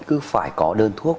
cứ phải có đơn thuốc